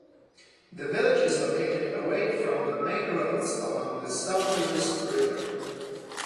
The village is located away from the main roads along the Sauteruz river.